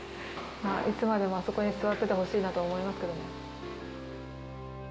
いつまでもあそこに座ってほしいなと思いますけどね。